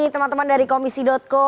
teman teman dari komisi co